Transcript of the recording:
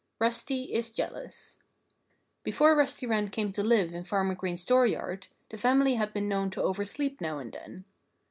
IV RUSTY IS JEALOUS Before Rusty Wren came to live in Farmer Green's dooryard the family had been known to oversleep now and then.